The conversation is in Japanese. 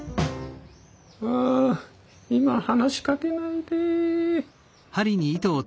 う今話しかけないで。